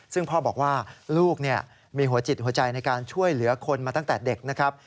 ซึ่งพ่อบอกว่าลูกมีหัวจิตหัวใจในการช่วยเหลือคนมาตั้งแต่เด็กนะครับ